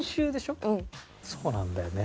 そうなんだよね。